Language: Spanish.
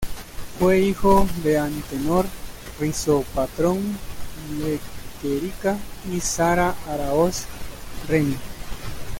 Fue hijo de Antenor Rizo-Patrón Lequerica y Sara Aráoz Remy.